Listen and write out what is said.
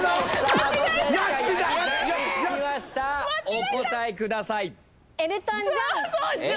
お答えください。